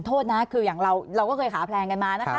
โทษนะคืออย่างเราก็เคยขาแพลงกันมานะคะ